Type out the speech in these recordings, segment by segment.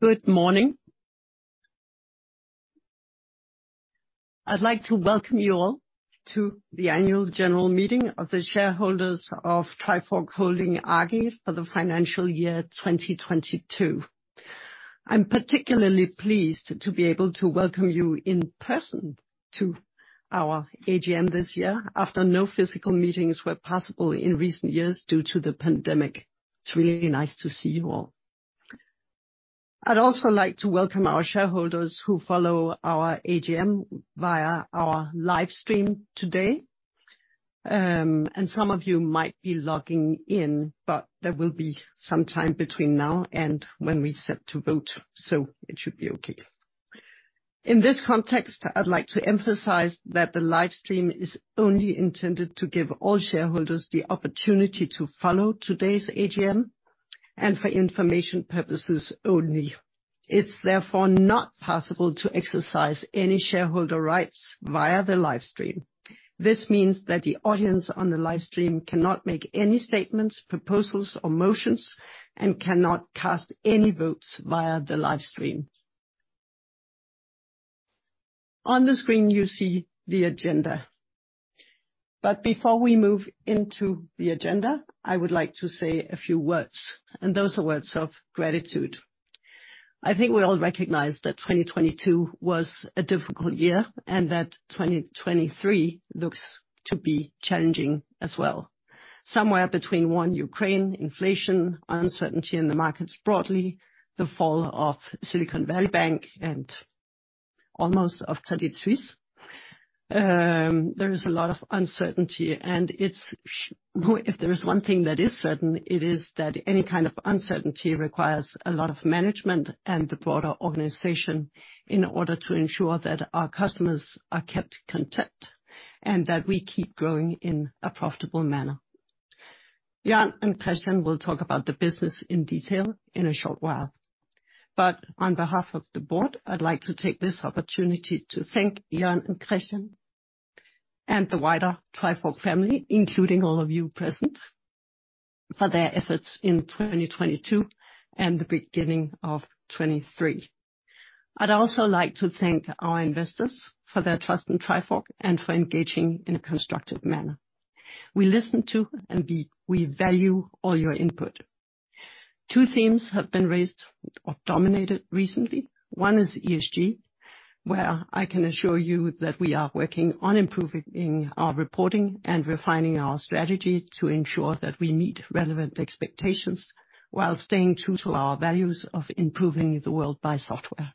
Good morning. I'd like to welcome you all to the Annual General Meeting of the shareholders of Trifork Holding AG for the Financial Year 2022. I'm particularly pleased to be able to welcome you in person to our AGM this year, after no physical meetings were possible in recent years due to the pandemic. It's really nice to see you all. I'd also like to welcome our shareholders who follow our AGM via our live stream today. Some of you might be logging in, but there will be some time between now and when we set to vote, so it should be okay. In this context, I'd like to emphasize that the live stream is only intended to give all shareholders the opportunity to follow today's AGM and for information purposes only. It's therefore not possible to exercise any shareholder rights via the live stream. This means that the audience on the live stream cannot make any statements, proposals, or motions, and cannot cast any votes via the live stream. On the screen, you see the agenda. Before we move into the agenda, I would like to say a few words, and those are words of gratitude. I think we all recognize that 2022 was a difficult year and that 2023 looks to be challenging as well. Somewhere between war in Ukraine, inflation, uncertainty in the markets broadly, the fall of Silicon Valley Bank, and almost of Credit Suisse, there is a lot of uncertainty. If there is one thing that is certain, it is that any kind of uncertainty requires a lot of management and the broader organization in order to ensure that our customers are kept content and that we keep growing in a profitable manner. Jørn and Kristian will talk about the business in detail in a short while. On behalf of the board, I'd like to take this opportunity to thank Jørn and Kristian and the wider Trifork family, including all of you present, for their efforts in 2022 and the beginning of 2023. I'd also like to thank our investors for their trust in Trifork and for engaging in a constructive manner. We listen to and we value all your input. Two themes have been raised or dominated recently. One is ESG, where I can assure you that we are working on improving our reporting and refining our strategy to ensure that we meet relevant expectations while staying true to our values of improving the world by software.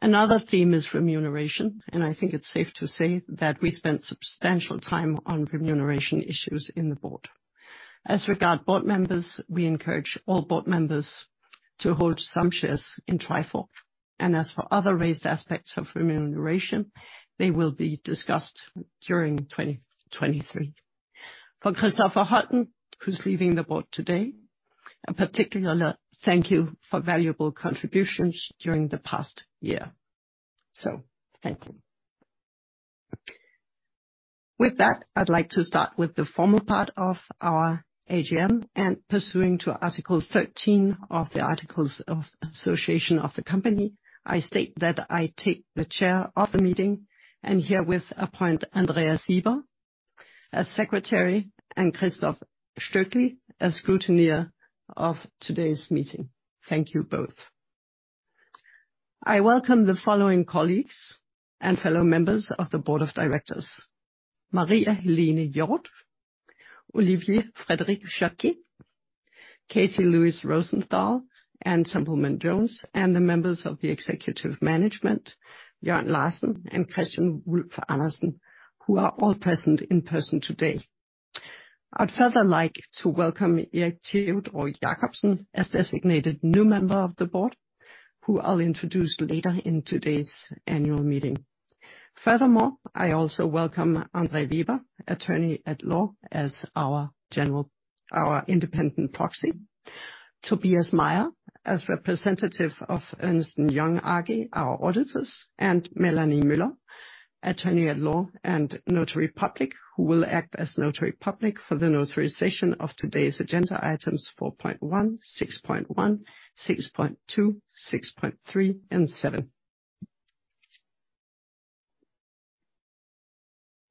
Another theme is remuneration, and I think it's safe to say that we spent substantial time on remuneration issues in the board. As regard board members, we encourage all board members to hold some shares in Trifork. As for other raised aspects of remuneration, they will be discussed during 2023. For Christoffer Holten, who's leaving the board today, a particular thank you for valuable contributions during the past year. Thank you. With that, I'd like to start with the formal part of our AGM and pursuant to Article 13 of the Articles of Association of the company. I state that I take the chair of the meeting and herewith appoint Andrea Sieber as secretary and Christof Stöckli as scrutineer of today's meeting. Thank you both. I welcome the following colleagues and fellow members of the Board of Directors: Maria Helene Hjorth, Olivier Frédéric Jaquet, Casey Louis Rosenthal, Anne Templeman-Jones, and the members of the Executive Management, Jørn Larsen and Kristian Wulf-Andersen, who are all present in person today. I'd further like to welcome Erik Theodor Jakobsen as designated new member of the board, who I'll introduce later in today's annual meeting. Furthermore, I also welcome André Weber, attorney at law, as our independent proxy, Tobias Meyer as representative of Ernst & Young AG, our auditors, and Melanie Müller, attorney at law and notary public, who will act as notary public for the notarization of today's agenda items 4.1, 6.1, 6.2, 6.3, and 7.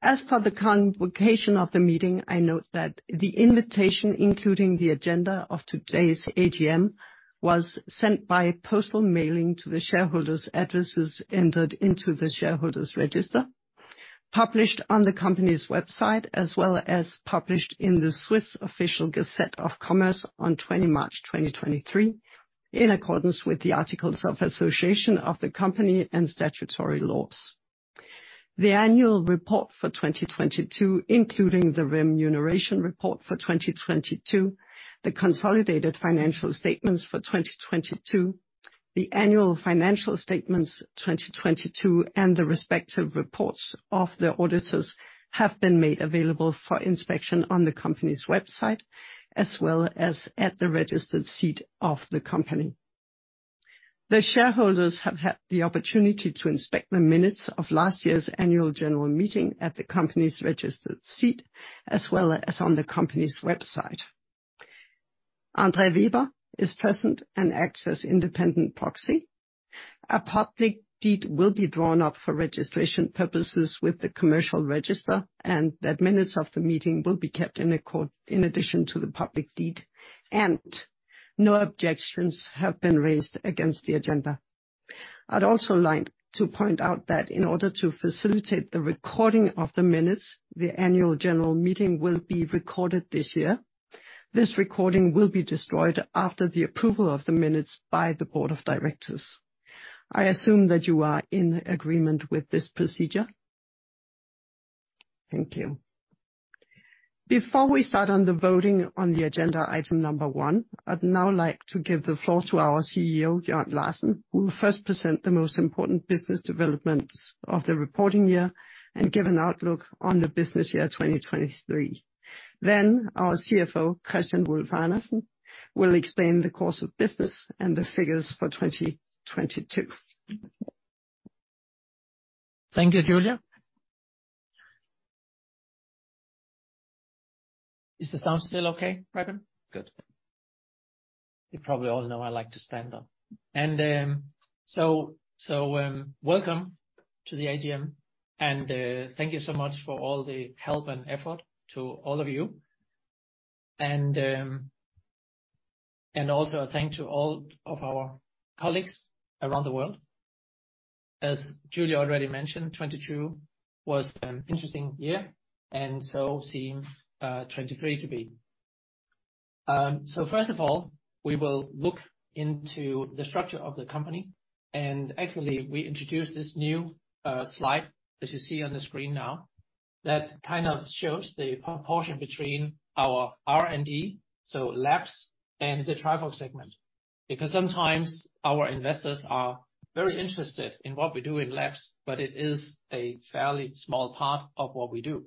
As for the convocation of the meeting, I note that the invitation, including the agenda of today's AGM, was sent by postal mailing to the shareholders' addresses entered into the shareholders' register, published on the company's website, as well as published in the Swiss Official Gazette of Commerce on 20 March 2023, in accordance with the Articles of Association of the Company and statutory laws. The annual report for 2022, including the remuneration report for 2022, the consolidated financial statements for 2022, the annual financial statements 2022, and the respective reports of the auditors have been made available for inspection on the company's website, as well as at the registered seat of the company. The shareholders have had the opportunity to inspect the minutes of last year's annual general meeting at the company's registered seat, as well as on the company's website. André Weber is present and acts as independent proxy. A public deed will be drawn up for registration purposes with the commercial register, and that minutes of the meeting will be kept in accord in addition to the public deed, and no objections have been raised against the agenda. I'd also like to point out that in order to facilitate the recording of the minutes, the annual general meeting will be recorded this year. This recording will be destroyed after the approval of the minutes by the Board of Directors. I assume that you are in agreement with this procedure. Thank you. Before we start on the voting on the agenda item number one, I'd now like to give the floor to our CEO, Jørn Larsen, who will first present the most important business developments of the reporting year and give an outlook on the business year 2023. Then our CFO, Kristian Wulf-Andersen, will explain the course of business and the figures for 2022. Thank you, Julie. Is the sound still okay, Reverend? Good. You probably all know I like to stand up. Welcome to the AGM, and thank you so much for all the help and effort to all of you. Also a thank you to all of our colleagues around the world. As Julie already mentioned, 2022 was an interesting year, and 2023 seems to be as well. First of all, we will look into the structure of the company. Actually, we introduced this new slide that you see on the screen now that kind of shows the proportion between our R&D, so Labs, and the Trifork Segment, because sometimes our investors are very interested in what we do in Labs, but it is a fairly small part of what we do.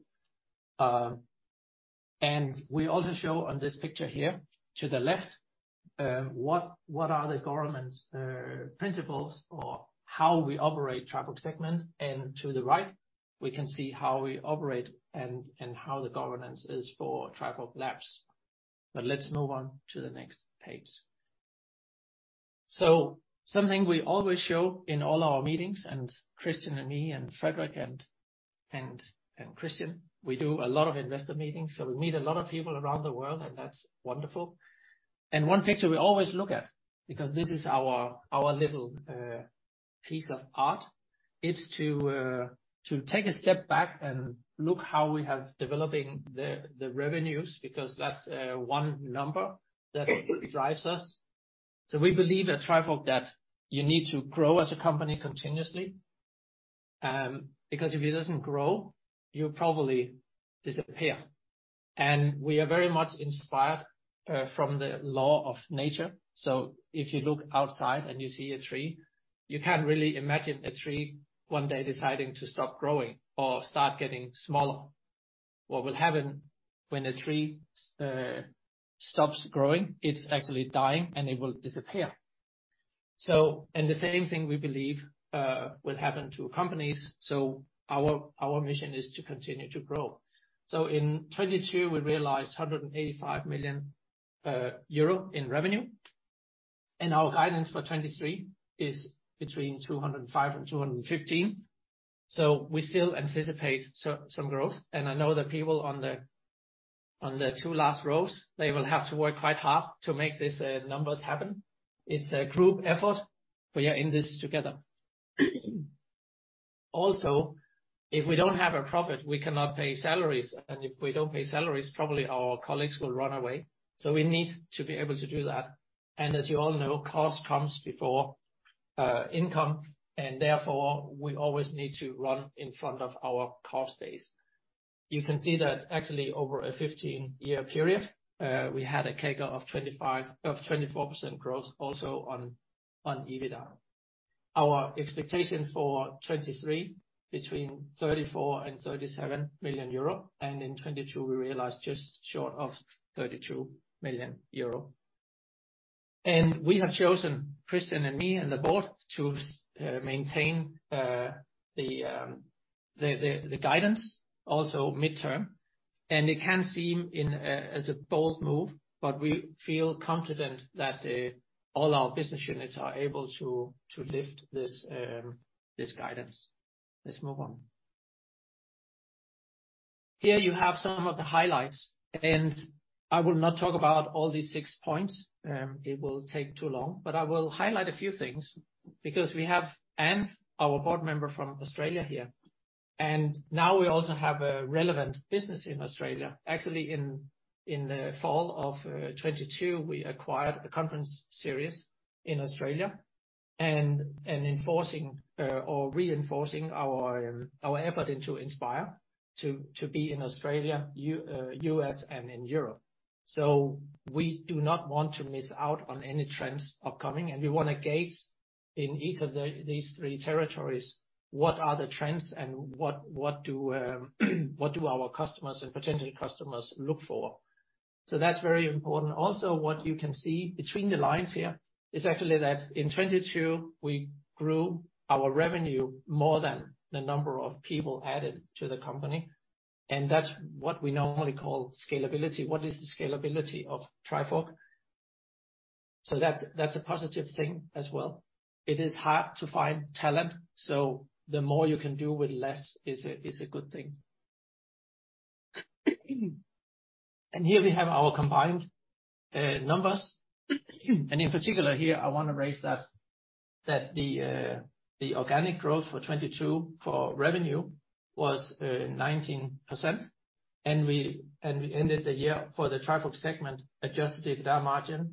We also show on this picture here to the left what are the governance principles or how we operate Trifork Segment, and to the right, we can see how we operate and how the governance is for Trifork Labs. Let's move on to the next page. Something we always show in all our meetings, and Kristian and me and Frédéric and Kristian, we do a lot of investor meetings, so we meet a lot of people around the world, and that's wonderful. One picture we always look at, because this is our little piece of art, is to take a step back and look how we have developing the revenues, because that's one number that drives us. We believe at Trifork that you need to grow as a company continuously, because if you do not grow, you'll probably disappear. We are very much inspired from the law of nature. If you look outside and you see a tree, you cannot really imagine a tree one day deciding to stop growing or start getting smaller. What will happen when a tree stops growing? It is actually dying, and it will disappear. The same thing we believe will happen to companies. Our mission is to continue to grow. In 2022, we realized 185 million euro in revenue, and our guidance for 2023 is between 205 million and 215 million. We still anticipate some growth. I know the people on the two last rows will have to work quite hard to make these numbers happen. It is a group effort. We are in this together. Also, if we do not have a profit, we cannot pay salaries. If we do not pay salaries, probably our colleagues will run away. We need to be able to do that. As you all know, cost comes before income, and therefore we always need to run in front of our cost base. You can see that actually over a 15-year period, we had a CAGR of 24% growth also on EBITDA. Our expectation for 2023 was between 34 million and 37 million euro, and in 2022, we realized just short of 32 million euro. We have chosen, Kristian and me and the board, to maintain the guidance also midterm. It can seem as a bold move, but we feel confident that all our business units are able to lift this guidance. Let's move on. Here you have some of the highlights, and I will not talk about all these six points. It will take too long, but I will highlight a few things because we have our board member from Australia here. Now we also have a relevant business in Australia. Actually, in the fall of 2022, we acquired a conference series in Australia, reinforcing our effort to inspire to be in Australia, U.S., and in Europe. We do not want to miss out on any trends upcoming, and we want to gauge in each of these three territories what are the trends and what do our customers and potential customers look for. That is very important. Also, what you can see between the lines here is actually that in 2022, we grew our revenue more than the number of people added to the company. That is what we normally call scalability. What is the scalability of Trifork? That is a positive thing as well. It is hard to find talent, so the more you can do with less is a good thing. Here we have our combined numbers. In particular here, I want to raise that the organic growth for 2022 for revenue was 19%, and we ended the year for the Trifork Segment adjusted EBITDA margin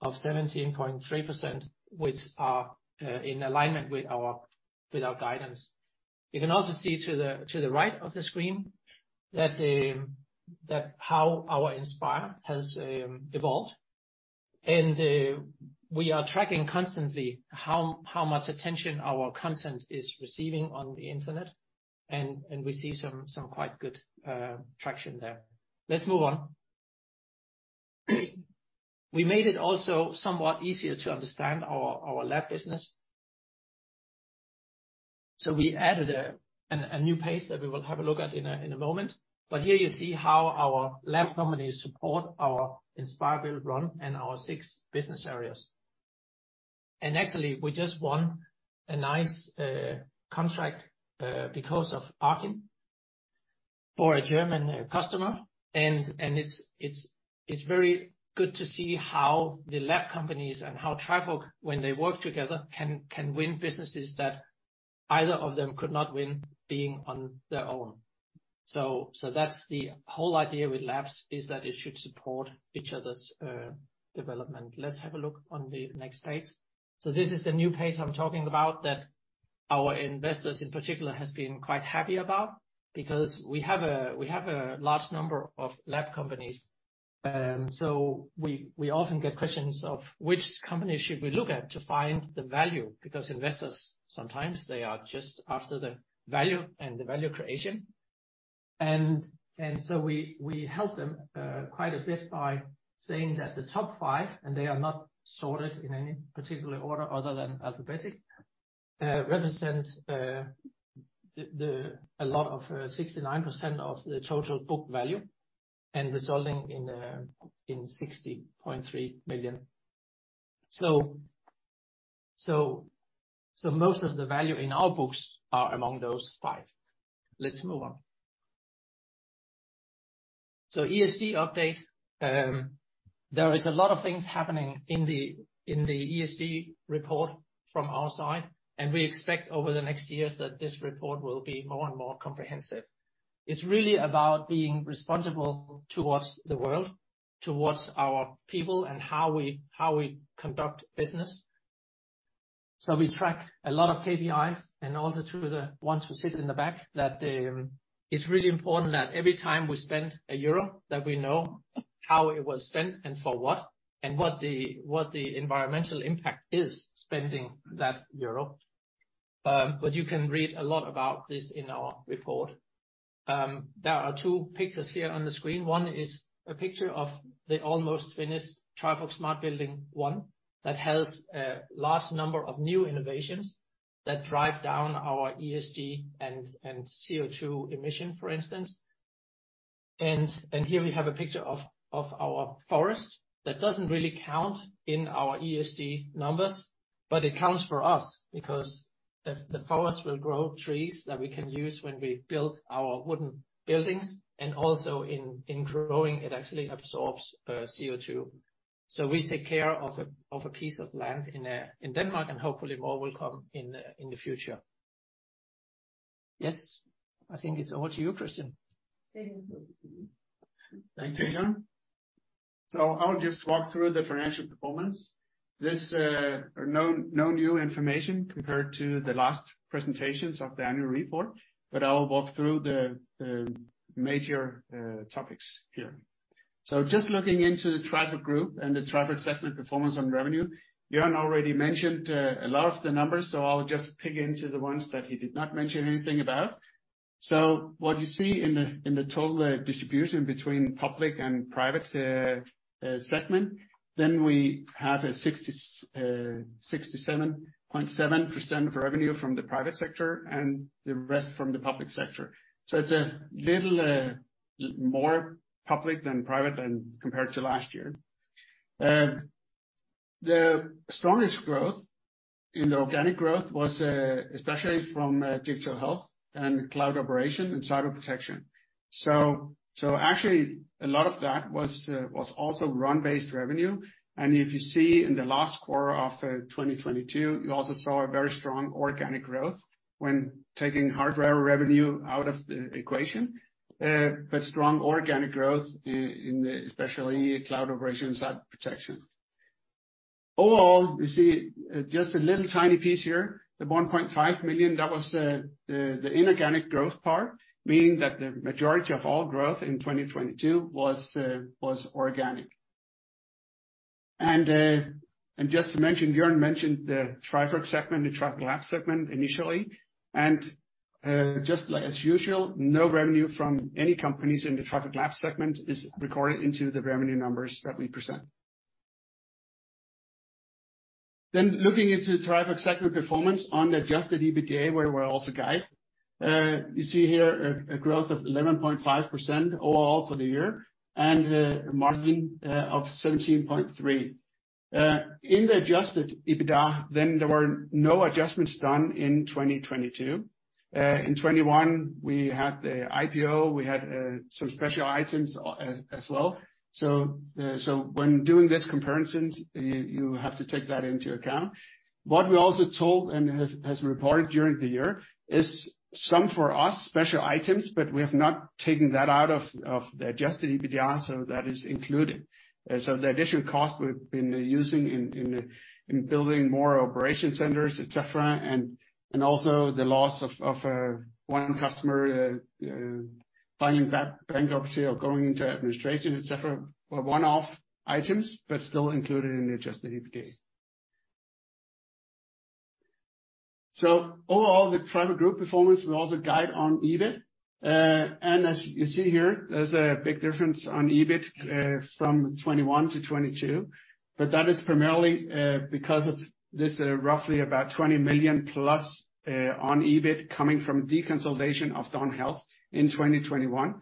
of 17.3%, which is in alignment with our guidance. You can also see to the right of the screen how our Inspire has evolved. We are tracking constantly how much attention our content is receiving on the internet, and we see some quite good traction there. Let's move on. We made it also somewhat easier to understand our lab business. We added a new page that we will have a look at in a moment. Here you see how our lab companies support our Inspire-Build-Run and our six business areas. Actually, we just won a nice contract because of Arkyn for a German customer. It is very good to see how the lab companies and how Trifork, when they work together, can win businesses that either of them could not win being on their own. That is the whole idea with labs, that it should support each other's development. Let's have a look on the next page. This is the new page I am talking about that our investors in particular have been quite happy about because we have a large number of lab companies. We often get questions of which company should we look at to find the value because investors sometimes are just after the value and the value creation. We help them quite a bit by saying that the top five, and they are not sorted in any particular order other than alphabetic, represent a lot of 69% of the total book value and resulting in 60.3 million. Most of the value in our books are among those five. Let's move on. ESG update. There is a lot of things happening in the ESG report from our side, and we expect over the next years that this report will be more and more comprehensive. It's really about being responsible towards the world, towards our people, and how we conduct business. We track a lot of KPIs and also to the ones who sit in the back that it's really important that every time we spend a euro, that we know how it was spent and for what and what the environmental impact is spending that euro. You can read a lot about this in our report. There are two pictures here on the screen. One is a picture of the almost finished Trifork Smart Building One that has a large number of new innovations that drive down our ESG and CO2 emission, for instance. Here we have a picture of our forest that does not really count in our ESG numbers, but it counts for us because the forest will grow trees that we can use when we build our wooden buildings. Also in growing, it actually absorbs CO2. We take care of a piece of land in Denmark, and hopefully more will come in the future. Yes, I think it's over to you, Kristian. Thank you, Jørn. I'll just walk through the financial performance. This is no new information compared to the last presentations of the annual report, but I'll walk through the major topics here. Just looking into the Trifork Group and the Trifork Segment performance on revenue, Jørn already mentioned a lot of the numbers, so I'll just pick into the ones that he did not mention anything about. What you see in the total distribution between public and private segment, we have 67.7% of revenue from the private sector and the rest from the public sector. It's a little more public than private compared to last year. The strongest growth in the organic growth was especially from digital health and cloud operation and cyber protection. Actually, a lot of that was also run-based revenue. If you see in the last quarter of 2022, you also saw very strong organic growth when taking hardware revenue out of the equation, but strong organic growth in especially cloud operations and cyber protection. Overall, you see just a little tiny piece here, the 1.5 million, that was the inorganic growth part, meaning that the majority of all growth in 2022 was organic. Just to mention, Jørn mentioned the Trifork segment, the Trifork Labs segment initially. Just like as usual, no revenue from any companies in the Trifork Labs segment is recorded into the revenue numbers that we present. Looking into the Trifork segment performance on the adjusted EBITDA, where we are also guided, you see here a growth of 11.5% overall for the year and a margin of 17.3%. In the adjusted EBITDA, there were no adjustments done in 2022. In 2021, we had the IPO. We had some special items as well. When doing these comparisons, you have to take that into account. What we also told and have reported during the year is some, for us, special items, but we have not taken that out of the adjusted EBITDA, so that is included. The additional cost we have been using in building more operation centers, etc., and also the loss of one customer finding bankruptcy or going into administration, etc., were one-off items, but still included in the adjusted EBITDA. Overall, the Trifork Group performance, we also guide on EBIT. As you see here, there is a big difference on EBIT from 2021 to 2022, but that is primarily because of this roughly about 20 million plus on EBIT coming from deconsolidation of Dawn Health in 2021.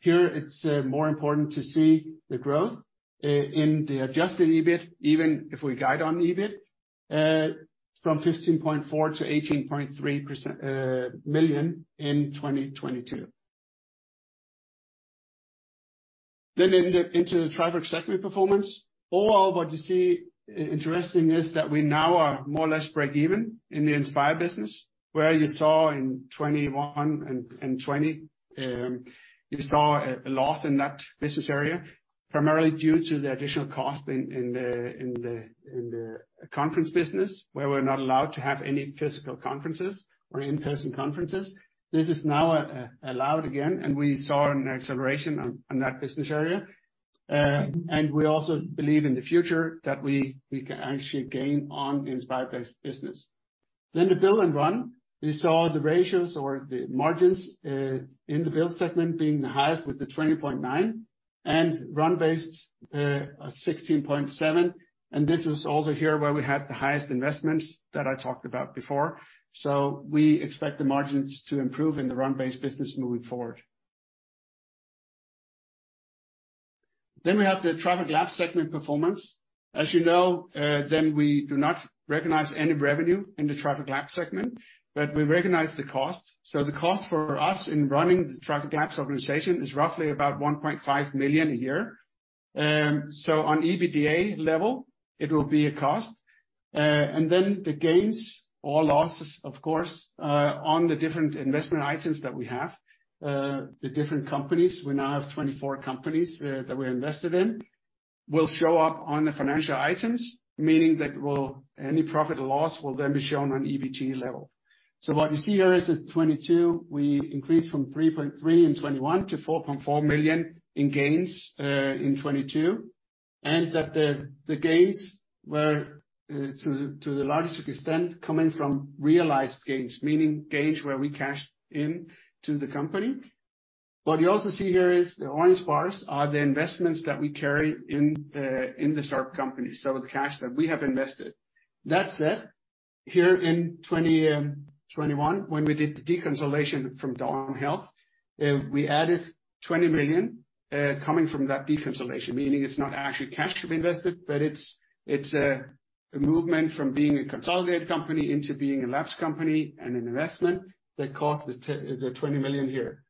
Here, it is more important to see the growth in the adjusted EBIT, even if we guide on EBIT, from 15.4 million to 18.3 million in 2022. Into the Trifork segment performance, overall, what you see interesting is that we now are more or less break-even in the Inspire business, where you saw in 2021 and 2020, you saw a loss in that business area, primarily due to the additional cost in the conference business, where we were not allowed to have any physical conferences or in-person conferences. This is now allowed again, and we saw an acceleration in that business area. We also believe in the future that we can actually gain on Inspire-based business. The Build and Run, we saw the ratios or the margins in the Build segment being the highest with the 20.9% and Run-based 16.7%. This is also here where we had the highest investments that I talked about before. We expect the margins to improve in the Run-based business moving forward. We have the Trifork Labs segment performance. As you know, we do not recognize any revenue in the Trifork Labs segment, but we recognize the cost. The cost for us in running the Trifork Labs organization is roughly about 1.5 million a year. On EBITDA level, it will be a cost. The gains or losses, of course, on the different investment items that we have, the different companies—we now have 24 companies that we are invested in—will show up on the financial items, meaning that any profit or loss will then be shown on EBITDA level. What you see here is in 2022, we increased from 3.3 million in 2021 to 4.4 million in gains in 2022, and the gains were to the largest extent coming from realized gains, meaning gains where we cashed in to the company. What you also see here is the orange bars are the investments that we carry in the startup company, so the cash that we have invested. That said, here in 2021, when we did the deconsolidation from Dawn Health, we added 20 million coming from that deconsolidation, meaning it is not actually cash we invested, but it is a movement from being a consolidated company into being a labs company and an investment that cost the 20 million here.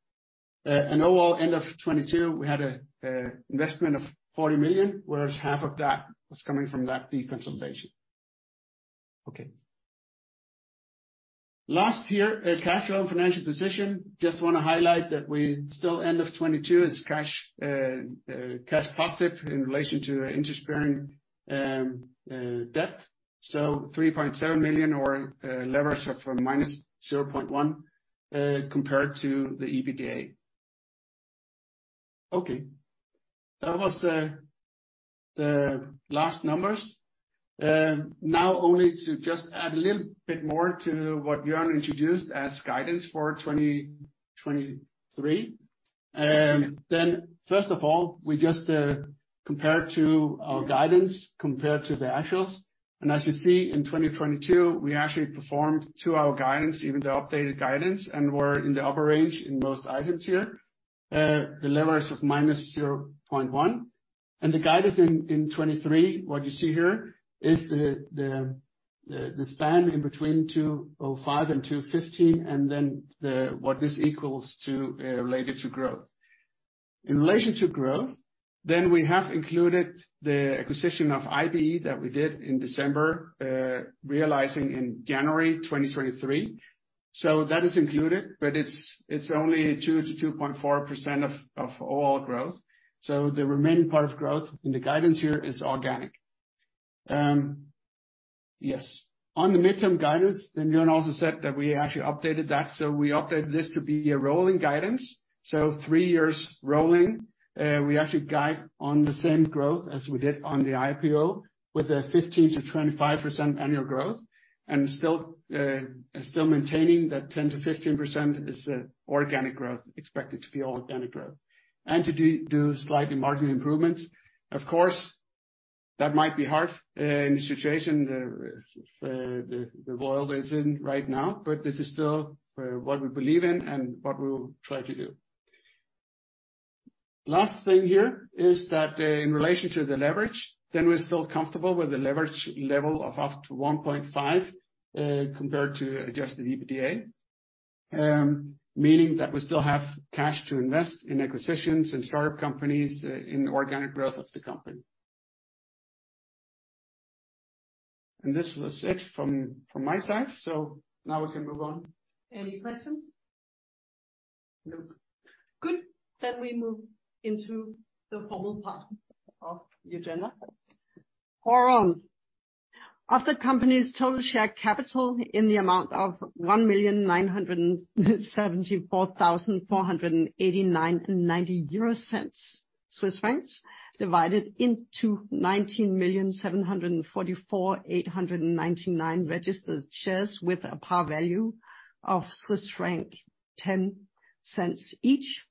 Overall, end of 2022, we had an investment of 40 million, whereas half of that was coming from that deconsolidation. Okay. Last here, cash flow and financial position. Just want to highlight that we still, end of 2022, are cash positive in relation to interest-bearing debt, so 3.7 million or leverage of minus 0.1 compared to the EBITDA. Okay. That was the last numbers. Now, only to just add a little bit more to what Jørn introduced as guidance for 2023. First of all, we just compared our guidance to the actuals. As you see, in 2022, we actually performed to our guidance, even the updated guidance, and were in the upper range in most items here, the leverage of minus 0.1. The guidance in 2023, what you see here, is the span in between 205 million and 215 million, and then what this equals to related to growth. In relation to growth, we have included the acquisition of IBE that we did in December, realizing in January 2023. That is included, but it's only 2%-2.4% of overall growth. The remaining part of growth in the guidance here is organic. Yes. On the midterm guidance, then Jørn also said that we actually updated that. We updated this to be a rolling guidance, so three years rolling. We actually guide on the same growth as we did on the IPO with a 15%-25% annual growth and still maintaining that 10%-15% is organic growth, expected to be organic growth, and to do slightly margin improvements. Of course, that might be hard in the situation the world is in right now, but this is still what we believe in and what we will try to do. Last thing here is that in relation to the leverage, then we're still comfortable with the leverage level of up to 1.5 compared to adjusted EBITDA, meaning that we still have cash to invest in acquisitions and startup companies in organic growth of the company. This was it from my side. Now we can move on. Any questions? No. Good. We move into the formal part of the agenda. Hour on. After companies' total share capital in the amount of CHF 1,974,489.90 divided into 19,744,899 registered shares with a par value of 0.10 each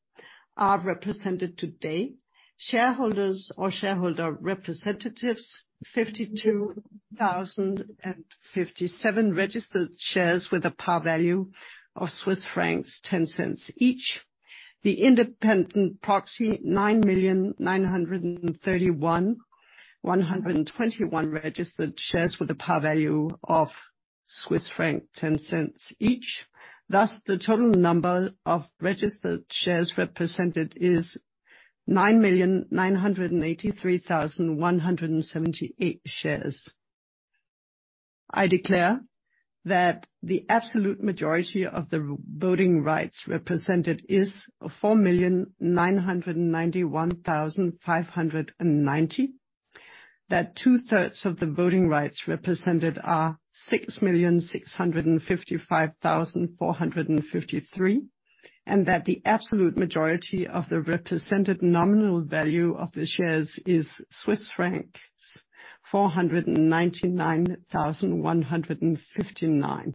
are represented today. Shareholders or shareholder representatives, 52,057 registered shares with a par value of 0.10 each. The independent proxy, 9,931,121 registered shares with a par value of 0.10 each. Thus, the total number of registered shares represented is 9,983,178 shares. I declare that the absolute majority of the voting rights represented is 4,991,590, that two-thirds of the voting rights represented are 6,655,453, and that the absolute majority of the represented nominal value of the shares is Swiss franc 499,159.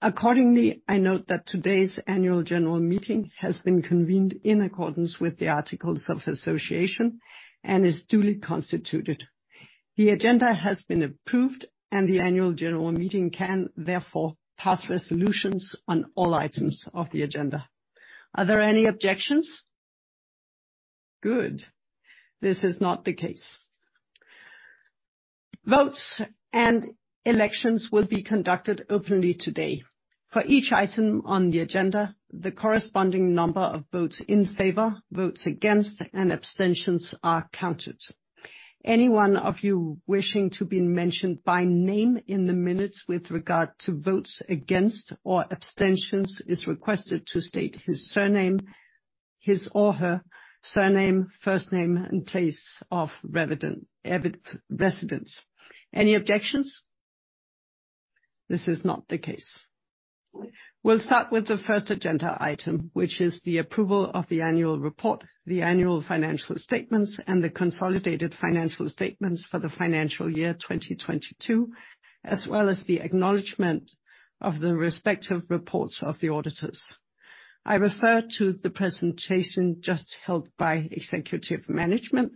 Accordingly, I note that today's annual general meeting has been convened in accordance with the articles of association and is duly constituted. The agenda has been approved, and the annual general meeting can therefore pass resolutions on all items of the agenda. Are there any objections? Good. This is not the case. Votes and elections will be conducted openly today. For each item on the agenda, the corresponding number of votes in favor, votes against, and abstentions are counted. Anyone of you wishing to be mentioned by name in the minutes with regard to votes against or abstentions is requested to state his or her surname, first name, and place of residence. Any objections? This is not the case. We'll start with the first agenda item, which is the approval of the annual report, the annual financial statements, and the consolidated financial statements for the financial year 2022, as well as the acknowledgment of the respective reports of the auditors. I refer to the presentation just held by Executive Management,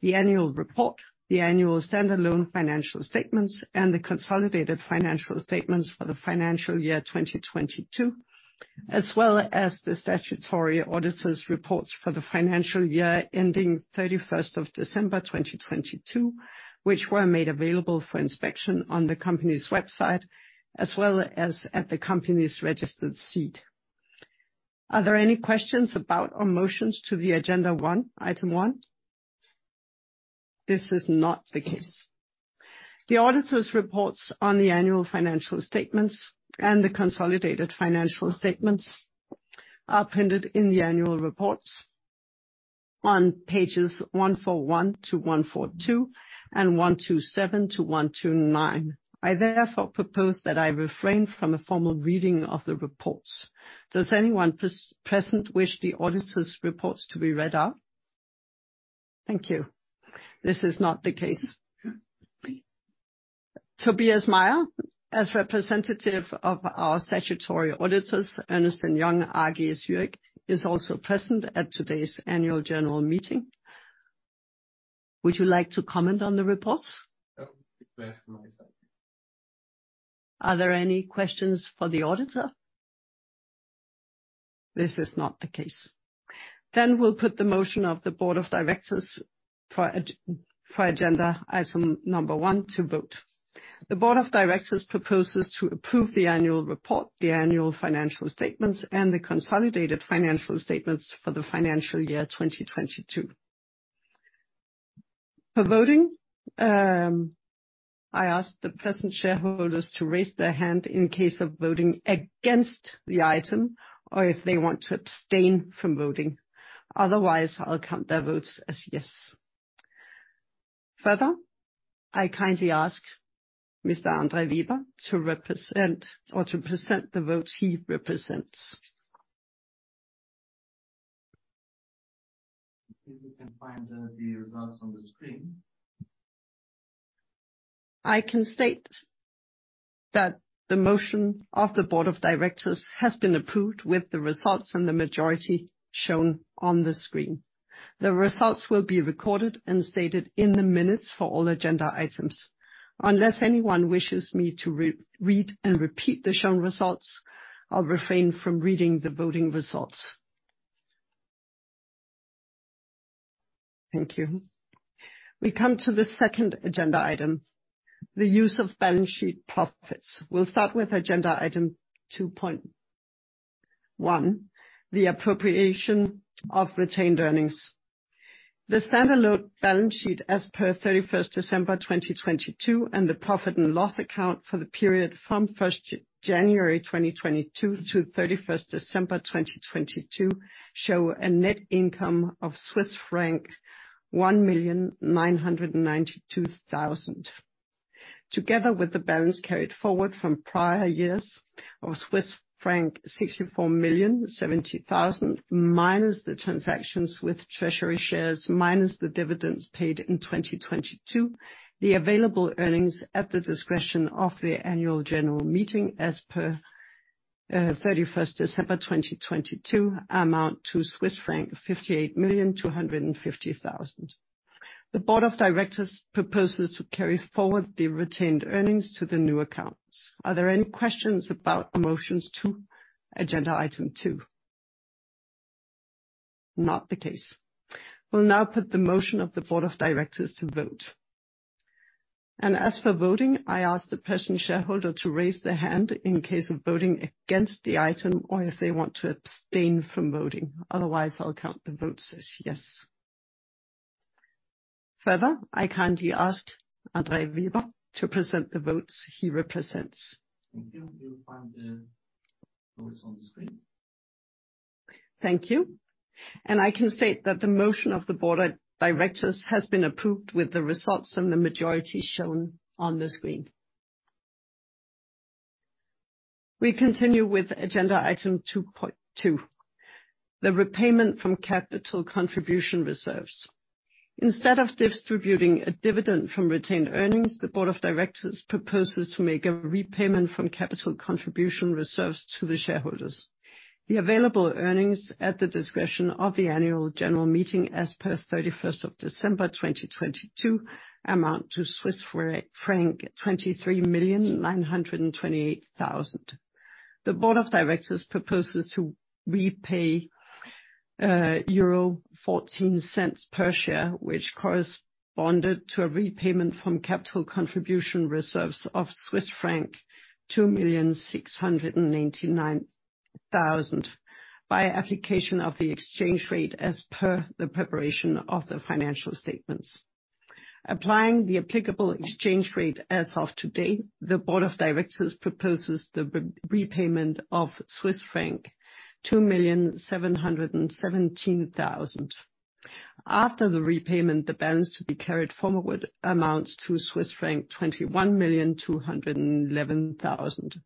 the annual report, the annual standalone financial statements, and the consolidated financial statements for the financial year 2022, as well as the statutory auditor's reports for the financial year ending 31st of December 2022, which were made available for inspection on the company's website as well as at the company's registered seat. Are there any questions about or motions to the agenda item one? This is not the case. The auditor's reports on the annual financial statements and the consolidated financial statements are printed in the annual reports on pages 141-142 and 127-129. I therefore propose that I refrain from a formal reading of the reports. Does anyone present wish the auditor's reports to be read out? Thank you. This is not the case. Tobias Meyer, as representative of our statutory auditors, Ernst & Young AG, is also present at today's annual general meeting. Would you like to comment on the reports? No. It's best from my side. Are there any questions for the auditor? This is not the case. We will put the motion of the Board of Directors for agenda item number one to vote. The Board of Directors proposes to approve the annual report, the annual financial statements, and the consolidated financial statements for the financial year 2022. For voting, I ask the present shareholders to raise their hand in case of voting against the item or if they want to abstain from voting. Otherwise, I will count their votes as yes. Further, I kindly ask Mr. André Weber to present the votes he represents. If you can find the results on the screen. I can state that the motion of the Board of Directors has been approved with the results and the majority shown on the screen. The results will be recorded and stated in the minutes for all agenda items. Unless anyone wishes me to read and repeat the shown results, I'll refrain from reading the voting results. Thank you. We come to the second agenda item, the use of balance sheet profits. We'll start with agenda item 2.1, the appropriation of retained earnings. The standalone balance sheet as per 31st December 2022 and the profit and loss account for the period from 1st January 2022 to 31st December 2022 show a net income of Swiss franc 1,992,000. Together with the balance carried forward from prior years of Swiss franc 64,070,000 minus the transactions with treasury shares minus the dividends paid in 2022, the available earnings at the discretion of the annual general meeting as per 31st December 2022 amount to Swiss franc 58,250,000. The Board of Directors proposes to carry forward the retained earnings to the new accounts. Are there any questions about motions to agenda item two? Not the case. We will now put the motion of the Board of Directors to vote. As for voting, I ask the present shareholder to raise their hand in case of voting against the item or if they want to abstain from voting. Otherwise, I will count the votes as yes. Further, I kindly ask André Weber to present the votes he represents. Thank you. You'll find the votes on the screen. Thank you. I can state that the motion of the Board of Directors has been approved with the results and the majority shown on the screen. We continue with agenda item 2.2, the repayment from capital contribution reserves. Instead of distributing a dividend from retained earnings, the Board of Directors proposes to make a repayment from capital contribution reserves to the shareholders. The available earnings at the discretion of the annual general meeting as per 31st of December 2022 amount to Swiss franc 23,928,000. The Board of Directors proposes to repay 0.14 per share, which corresponded to a repayment from capital contribution reserves of Swiss franc 2,699,000 by application of the exchange rate as per the preparation of the financial statements. Applying the applicable exchange rate as of today, the Board of Directors proposes the repayment of Swiss franc 2,717,000. After the repayment, the balance to be carried forward amounts to Swiss franc 21,211,000.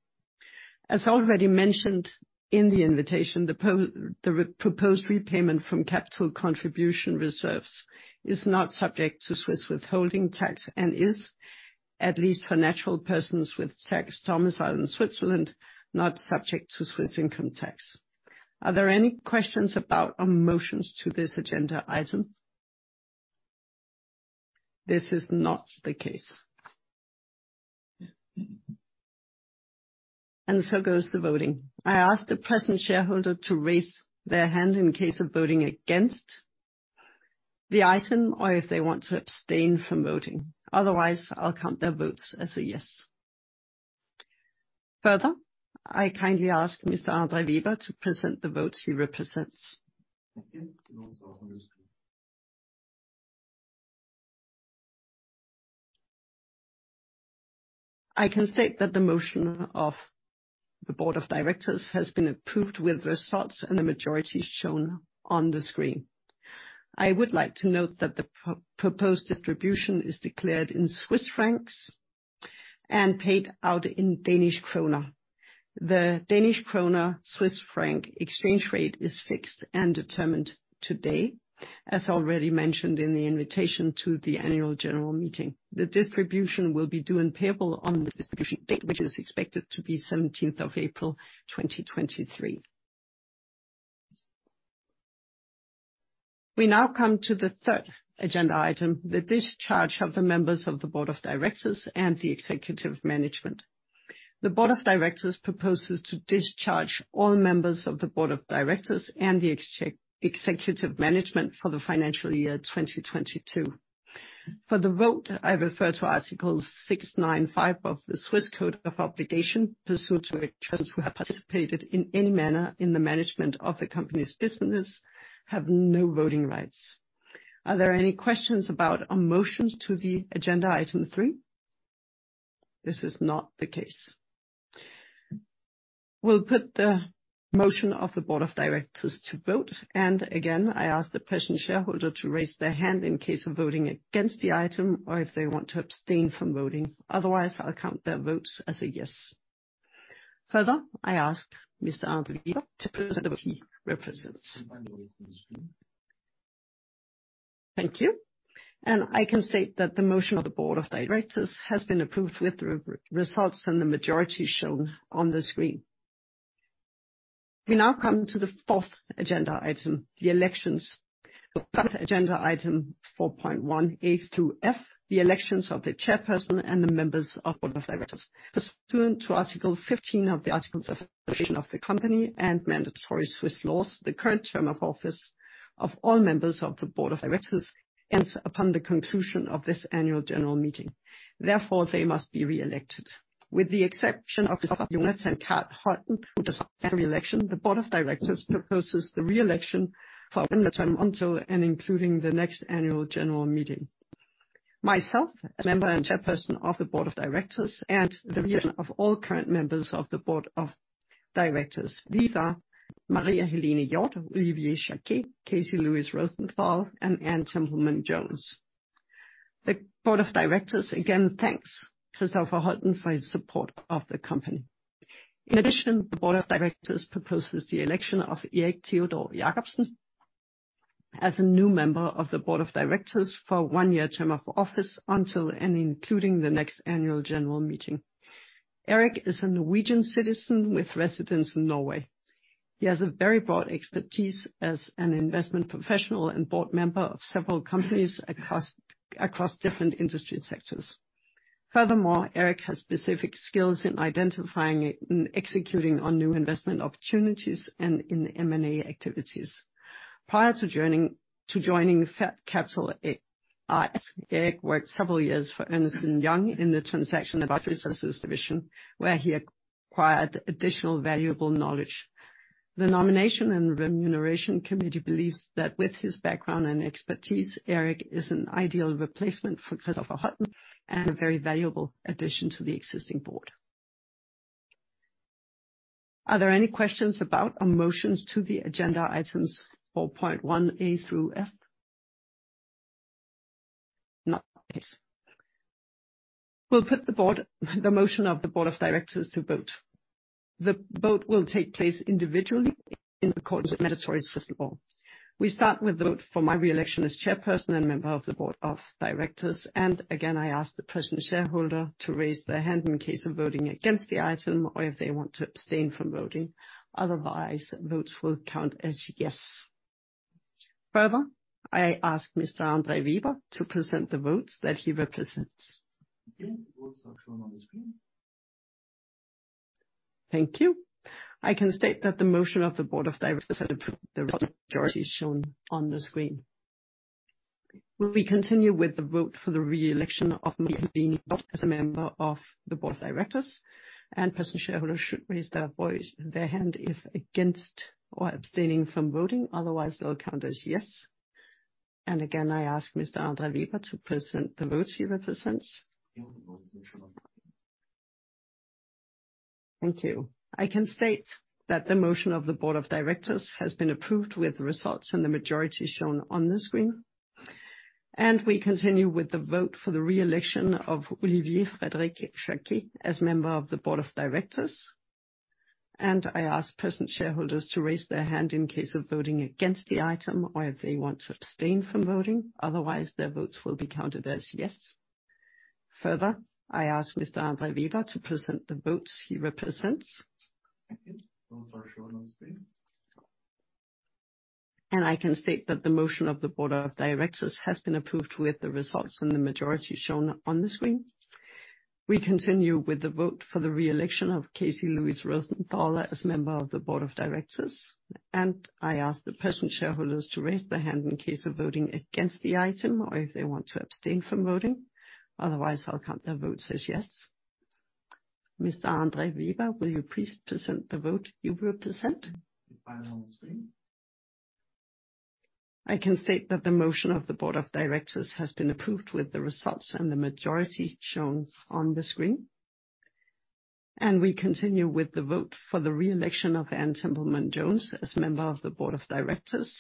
As already mentioned in the invitation, the proposed repayment from capital contribution reserves is not subject to Swiss withholding tax and is, at least for natural persons with tax domicile in Switzerland, not subject to Swiss income tax. Are there any questions about or motions to this agenda item? This is not the case. The voting goes ahead. I ask the present shareholder to raise their hand in case of voting against the item or if they want to abstain from voting. Otherwise, I'll count their votes as a yes. Further, I kindly ask Mr. André Weber to present the votes he represents. Thank you. Also on the screen. I can state that the motion of the Board of Directors has been approved with results and the majority shown on the screen. I would like to note that the proposed distribution is declared in Swiss francs and paid out in Danish krone. The Danish krone-Swiss franc exchange rate is fixed and determined today, as already mentioned in the invitation to the annual general meeting. The distribution will be due and payable on the distribution date, which is expected to be 17th of April 2023. We now come to the third agenda item, the discharge of the members of the Board of Directors and the Executive Management. The Board of Directors proposes to discharge all members of the Board of Directors and the Executive Management for the financial year 2022. For the vote, I refer to Article 695 of the Swiss Code of Obligation, pursuant to which those who have participated in any manner in the management of a company's business have no voting rights. Are there any questions about or motions to the agenda item three? This is not the case. We will put the motion of the Board of Directors to vote. Again, I ask the present shareholder to raise their hand in case of voting against the item or if they want to abstain from voting. Otherwise, I will count their votes as a yes. Further, I ask Mr. André Weber to present the vote he represents. Thank you. Thank you. I can state that the motion of the Board of Directors has been approved with the results and the majority shown on the screen. We now come to the fourth agenda item, the elections. The fourth agenda item, 4.1 A through F, the elections of the Chairperson and the members of the Board of Directors. Pursuant to Article 15 of the articles of association of the company and mandatory Swiss laws, the current term of office of all members of the Board of Directors ends upon the conclusion of this annual general meeting. Therefore, they must be re-elected. With the exception of Christoffer Holten, who despite the re-election, the Board of Directors proposes the re-election for one term until and including the next annual general meeting. Myself, as a member and Chairperson of the Board of Directors, and the re-election of all current members of the Board of Directors, these are Maria Helene Hjorth, Olivier Frédéric Jaquet, Casey Louis Rosenthal, and Anne Templeman-Jones. The Board of Directors again thanks Christoffer Holten for his support of the company. In addition, the Board of Directors proposes the election of Erik Theodor Jakobsen as a new member of the Board of Directors for a one year term of office until and including the next annual general meeting. Erik is a Norwegian citizen with residence in Norway. He has a very broad expertise as an investment professional and board member of several companies across different industry sectors. Furthermore, Erik has specific skills in identifying and executing on new investment opportunities and in M&A activities. Prior to joining Ferd Capital AS, Erik worked several years for Ernst & Young in the transaction advisory services division, where he acquired additional valuable knowledge. The nomination and remuneration committee believes that with his background and expertise, Erik is an ideal replacement for Christoffer Holten and a very valuable addition to the existing board. Are there any questions about or motions to the agenda items 4.1 A through F? Not the case. We'll put the motion of the Board of Directors to vote. The vote will take place individually in accordance with mandatory Swiss law. We start with the vote for my re-election as Chairperson and member of the Board of Directors. Again, I ask the present shareholder to raise their hand in case of voting against the item or if they want to abstain from voting. Otherwise, votes will count as yes. Further, I ask Mr. André Weber to present the votes that he represents. Thank you. The votes are shown on the screen. Thank you. I can state that the motion of the Board of Directors has been approved with the results and majority shown on the screen. We continue with the vote for the re-election of Maria Helene Hjorth as a member of the Board of Directors. Present shareholders should raise their hand if against or abstaining from voting. Otherwise, they'll count as yes. I ask Mr. André Weber to present the votes he represents. Thank you. Thank you. I can state that the motion of the Board of Directors has been approved with the results and the majority shown on the screen. We continue with the vote for the re-election of Olivier-Frédéric Jaquet as member of the Board of Directors. I ask present shareholders to raise their hand in case of voting against the item or if they want to abstain from voting. Otherwise, their votes will be counted as yes. Further, I ask Mr. André Weber to present the votes he represents. Thank you. The votes are shown on the screen. I can state that the motion of the Board of Directors has been approved with the results and the majority shown on the screen. We continue with the vote for the re-election of Casey Louis Rosenthal as member of the Board of Directors. I ask the present shareholders to raise their hand in case of voting against the item or if they want to abstain from voting. Otherwise, I'll count their votes as yes. Mr. André Weber, will you please present the vote you represent? It's final on the screen. I can state that the motion of the Board of Directors has been approved with the results and the majority shown on the screen. We continue with the vote for the re-election of Anne Templeman-Jones as member of the Board of Directors.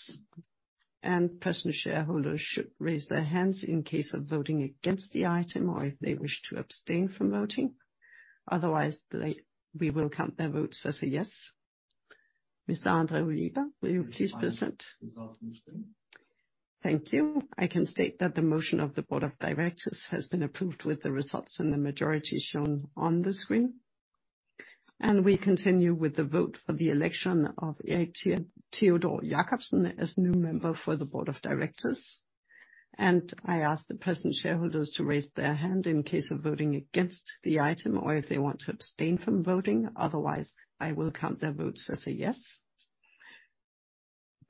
Present shareholders should raise their hands in case of voting against the item or if they wish to abstain from voting. Otherwise, we will count their votes as a yes. Mr. André Weber, will you please present? Thank you. Thank you. I can state that the motion of the Board of Directors has been approved with the results and the majority shown on the screen. We continue with the vote for the election of Erik Theodor Jakobsen as new member for the Board of Directors. I ask the present shareholders to raise their hand in case of voting against the item or if they want to abstain from voting. Otherwise, I will count their votes as a yes.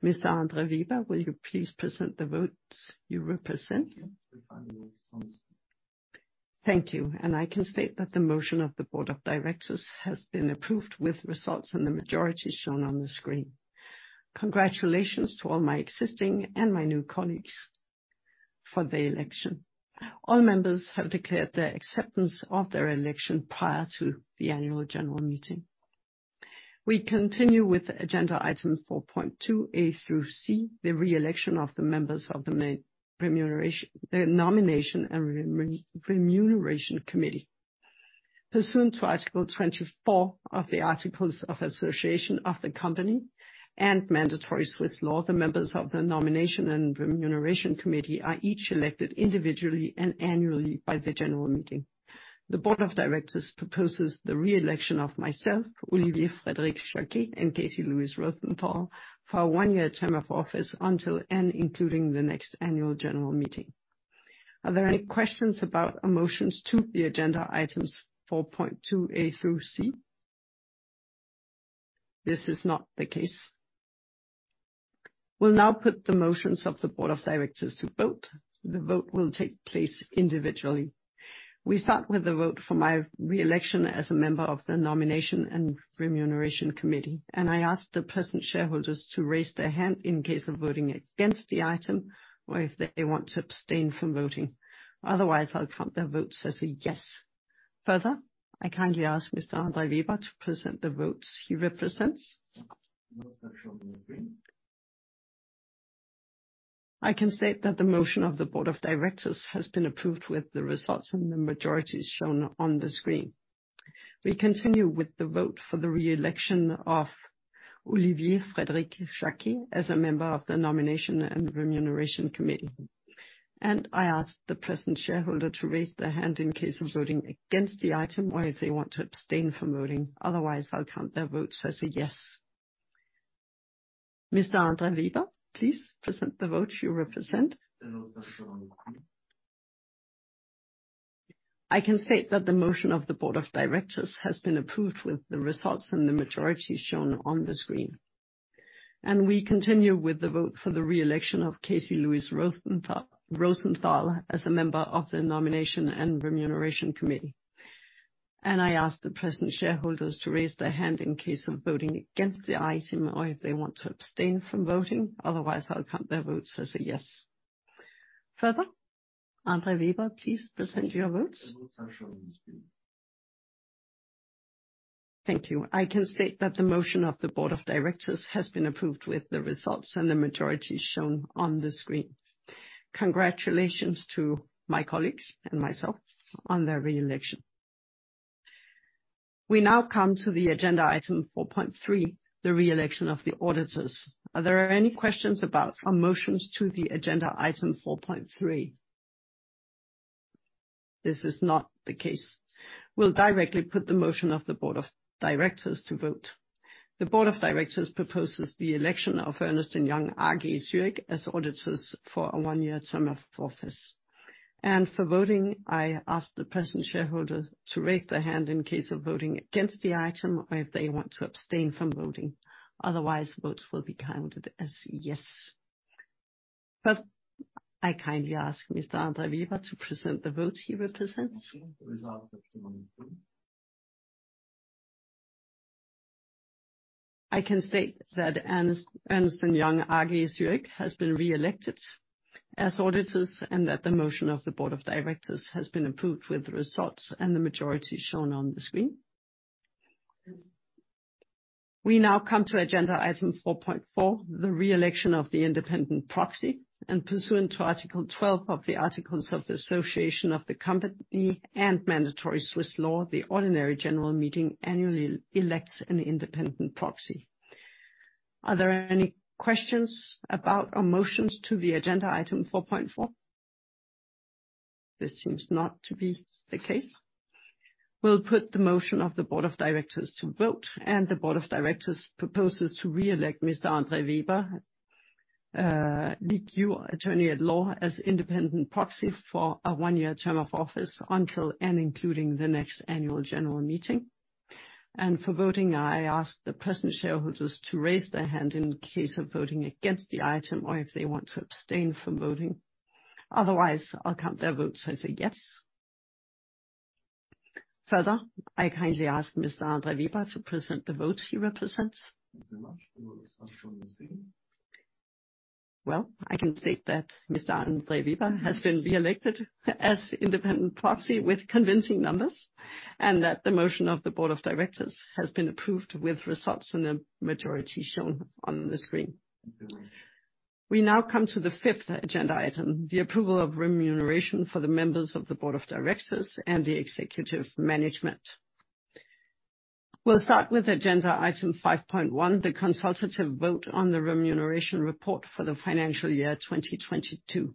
Mr. André Weber, will you please present the votes you represent? Thank you. Thank you. I can state that the motion of the Board of Directors has been approved with results and the majority shown on the screen. Congratulations to all my existing and my new colleagues for the election. All members have declared their acceptance of their election prior to the annual general meeting. We continue with agenda item 4.2 A through C, the re-election of the members of the Nomination and Remuneration Committee. Pursuant to Article 24 of the Articles of Association of the company and mandatory Swiss law, the members of the Nomination and Remuneration Committee are each elected individually and annually by the general meeting. The Board of Directors proposes the re-election of myself, Olivier-Frédéric Jaquet, and Casey-Louis Rosenthal for a one-year term of office until and including the next annual general meeting. Are there any questions about or motions to the agenda items 4.2 A through C? This is not the case. We'll now put the motions of the Board of Directors to vote. The vote will take place individually. We start with the vote for my re-election as a member of the Nomination and Remuneration Committee. I ask the present shareholders to raise their hand in case of voting against the item or if they want to abstain from voting. Otherwise, I'll count their votes as a yes. Further, I kindly ask Mr. André Weber to present the votes he represents. The votes are shown on the screen. I can state that the motion of the Board of Directors has been approved with the results and the majority shown on the screen. We continue with the vote for the re-election of Olivier-Frédéric Jaquet as a member of the Nomination and Remuneration Committee. I ask the present shareholder to raise their hand in case of voting against the item or if they want to abstain from voting. Otherwise, I'll count their votes as a yes. Mr. André Weber, please present the vote you represent. The votes are shown on the screen. I can state that the motion of the Board of Directors has been approved with the results and the majority shown on the screen. We continue with the vote for the re-election of Casey-Louis Rosenthal as a member of the Nomination and Remuneration Committee. I ask the present shareholders to raise their hand in case of voting against the item or if they want to abstain from voting. Otherwise, I'll count their votes as a yes. Further, André Weber, please present your votes. The votes are shown on the screen. Thank you. I can state that the motion of the Board of Directors has been approved with the results and the majority shown on the screen. Congratulations to my colleagues and myself on their re-election. We now come to the agenda item 4.3, the re-election of the Auditors. Are there any questions about or motions to the agenda item 4.3? This is not the case. We'll directly put the motion of the Board of Directors to vote. The Board of Directors proposes the election of Ernst & Young AG Zürich as auditors for a one-year term of office. For voting, I ask the present shareholder to raise their hand in case of voting against the item or if they want to abstain from voting. Otherwise, votes will be counted as yes. Further, I kindly ask Mr. André Weber to present the votes he represents. Thank you. The results are shown on the screen. I can state that Ernst & Young AG Zürich has been re-elected as Auditors and that the motion of the Board of Directors has been approved with the results and the majority shown on the screen. We now come to agenda item 4.4, the re-election of the Independent Proxy. Pursuant to Article 12 of the Articles of Association of the company and mandatory Swiss law, the ordinary general meeting annually elects an Independent Proxy. Are there any questions about or motions to the agenda item 4.4? This seems not to be the case. We'll put the motion of the Board of Directors to vote. The Board of Directors proposes to re-elect Mr. André Weber, attorney at law, as Independent Proxy for a one-year term of office until and including the next annual general meeting. For voting, I ask the present shareholders to raise their hand in case of voting against the item or if they want to abstain from voting. Otherwise, I'll count their votes as a yes. Further, I kindly ask Mr. André Weber to present the votes he represents. Thank you very much. The votes are shown on the screen. I can state that Mr. André Weber has been re-elected as Independent Proxy with convincing numbers and that the motion of the Board of Directors has been approved with results and a majority shown on the screen. Thank you very much. We now come to the fifth agenda item, the approval of remuneration for the members of the Board of Directors and the Executive Management. We'll start with agenda item 5.1, the consultative vote on the remuneration report for the financial year 2022.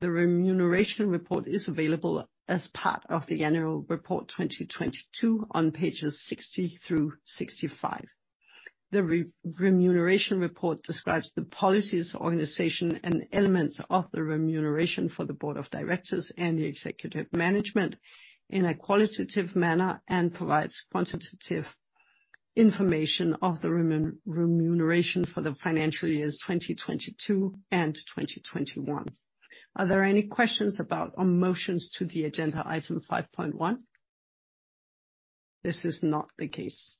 The remuneration report is available as part of the annual report 2022 on pages 60 through 65. The remuneration report describes the policies, organization, and elements of the remuneration for the Board of Directors and the Executive Management in a qualitative manner and provides quantitative information of the remuneration for the financial years 2022 and 2021. Are there any questions about or motions to the agenda item 5.1? This is not the case.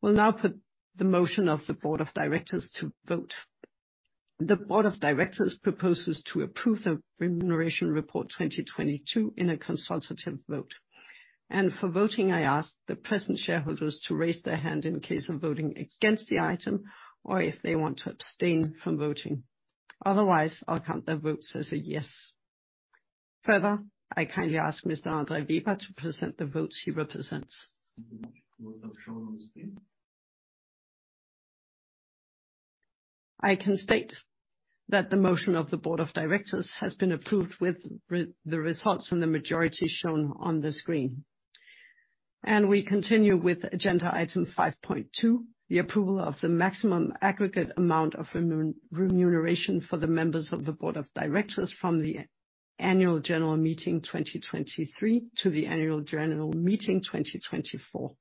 We'll now put the motion of the Board of Directors to vote. The Board of Directors proposes to approve the remuneration report 2022 in a consultative vote. For voting, I ask the present shareholders to raise their hand in case of voting against the item or if they want to abstain from voting. Otherwise, I'll count their votes as a yes. Further, I kindly ask Mr. André Weber to present the votes he represents. Thank you very much. The votes are shown on the screen. I can state that the motion of the Board of Directors has been approved with the results and the majority shown on the screen. We continue with agenda item 5.2, the approval of the maximum aggregate amount of remuneration for the members of the Board of Directors from the Annual General Meeting 2023 to the Annual General Meeting 2024.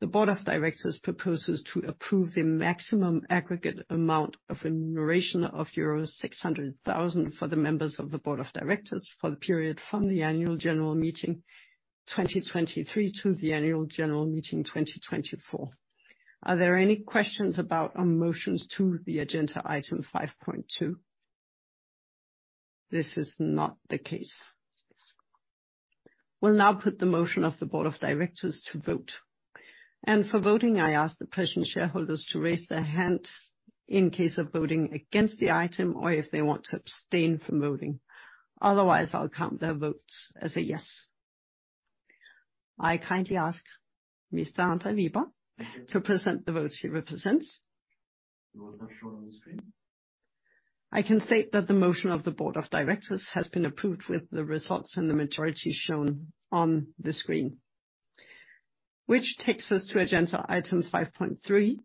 The Board of Directors proposes to approve the maximum aggregate amount of remuneration of euros 600,000 for the members of the Board of Directors for the period from the Annual General Meeting 2023 to the Annual General Meeting 2024. Are there any questions about or motions to the agenda item 5.2? This is not the case. We'll now put the motion of the Board of Directors to vote. For voting, I ask the present shareholders to raise their hand in case of voting against the item or if they want to abstain from voting. Otherwise, I'll count their votes as a yes. I kindly ask Mr. André Weber to present the votes he represents. The votes are shown on the screen. I can state that the motion of the Board of Directors has been approved with the results and the majority shown on the screen, which takes us to agenda item 5.3,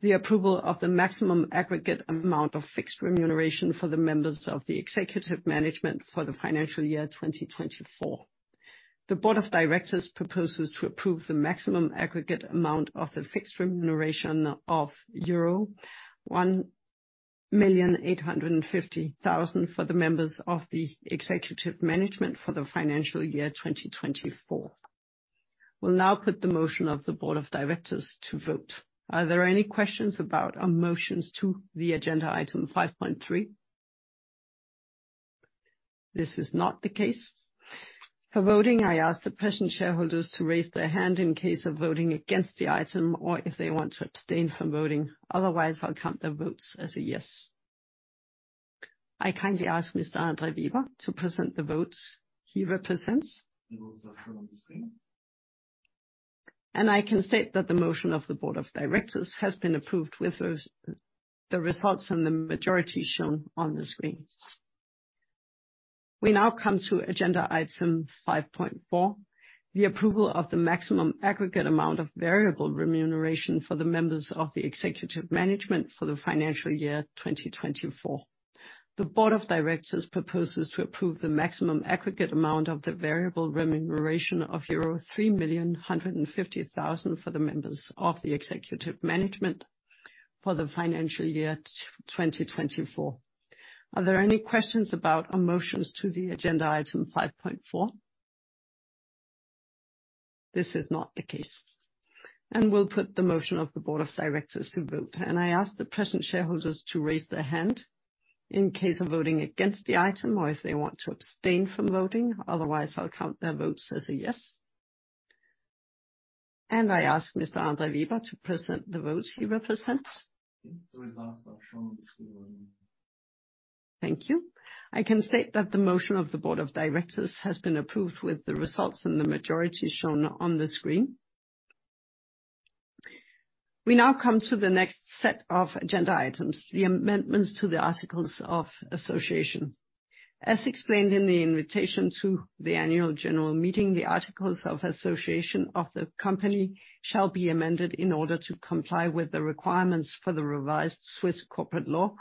the approval of the maximum aggregate amount of fixed remuneration for the members of the Executive Management for the financial year 2024. The Board of Directors proposes to approve the maximum aggregate amount of the fixed remuneration of euro 1,850,000 for the members of the Executive Management for the financial year 2024. We'll now put the motion of the Board of Directors to vote. Are there any questions about or motions to the agenda item 5.3? This is not the case. For voting, I ask the present shareholders to raise their hand in case of voting against the item or if they want to abstain from voting. Otherwise, I'll count their votes as a yes. I kindly ask Mr. André Weber to present the votes he represents. The votes are shown on the screen. I can state that the motion of the Board of Directors has been approved with the results and the majority shown on the screen. We now come to agenda item 5.4, the approval of the maximum aggregate amount of variable remuneration for the members of the Executive Management for the financial year 2024. The Board of Directors proposes to approve the maximum aggregate amount of the variable remuneration of euro 3,150,000 for the members of the Executive Management for the financial year 2024. Are there any questions about or motions to the agenda item 5.4? This is not the case. We will put the motion of the Board of Directors to vote. I ask the present shareholders to raise their hand in case of voting against the item or if they want to abstain from voting. Otherwise, I will count their votes as a yes. I ask Mr. André Weber to present the votes he represents. The results are shown on the screen. Thank you. I can state that the motion of the Board of Directors has been approved with the results and the majority shown on the screen. We now come to the next set of agenda items, the amendments to the Articles of Association. As explained in the invitation to the Annual General Meeting, the Articles of Association of the company shall be amended in order to comply with the requirements for the revised Swiss corporate law,